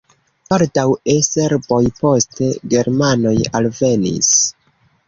Baldaŭe serboj, poste germanoj alvenis.